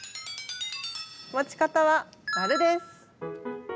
持ち方はマルです。